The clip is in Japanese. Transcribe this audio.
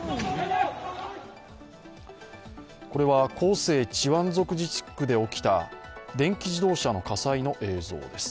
これは広西チワン族自治区で起きた電気自動車の火災の映像です。